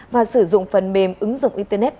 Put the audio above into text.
và sử dụng phần mềm ứng dụng internet